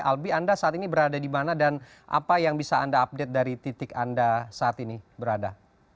albi anda saat ini berada di mana dan apa yang bisa anda update dari titik anda saat ini berada